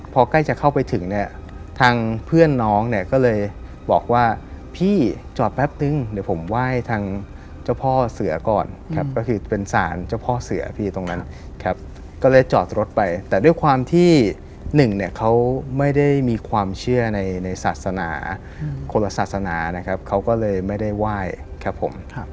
พอใกล้จะเข้าไปถึงเนี่ยทางเพื่อนน้องเนี่ยก็เลยบอกว่าพี่จอดแป๊บนึงเดี๋ยวผมไหว้ทางเจ้าพ่อเสือก่อนครับก็คือเป็นสารเจ้าพ่อเสือพี่ตรงนั้นครับก็เลยจอดรถไปแต่ด้วยความที่หนึ่งเนี่ยเขาไม่ได้มีความเชื่อในศาสนาคนละศาสนานะครับเขาก็เลยไม่ได้ไหว้ครับผม